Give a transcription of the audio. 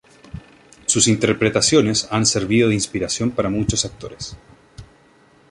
Sus interpretaciones han servido de inspiración para muchos actores.